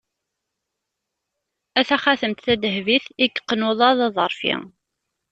A taxatemt tadehbit, i yeqqen uḍad aḍeṛfi!